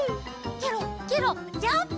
ケロッケロッジャンプ！